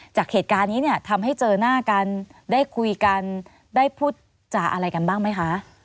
จากเหตุการณ์นี้เนี่ยทำให้เจอหน้ากันได้คุยกันได้พูดจาอะไรกันบ้างไหมคะ